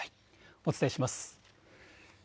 お伝えします。